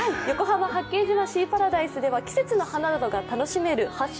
横浜・八景島シーパラダイスでは季節の花などが楽しめる＃